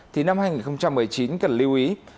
thì năm hai nghìn một mươi chín cần lưu ý